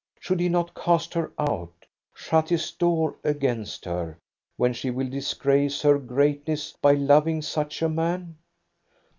Should he not cast her out, shut his door against her, when she will dis grace her greatness by loving such a man?